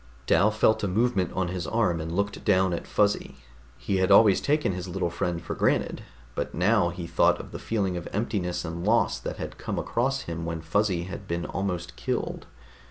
Dal felt a movement on his arm and looked down at Fuzzy. He had always taken his little friend for granted, but now he thought of the feeling of emptiness and loss that had come across him when Fuzzy had been almost killed.